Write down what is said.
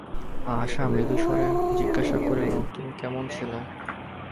আশা মৃদুস্বরে জিজ্ঞাসা করিল, তুমি কেমন ছিলে।